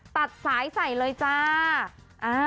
ตัดสายใส่เลยจ้า